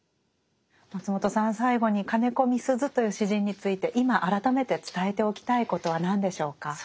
松本さん最後に金子みすゞという詩人について今改めて伝えておきたいことは何でしょうか？